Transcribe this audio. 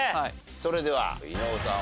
それでは伊野尾さん